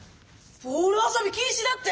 「ボールあそび禁止」だって。